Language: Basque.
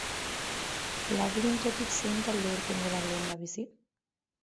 Labirintotik zein talde irtengo da lehendabizi?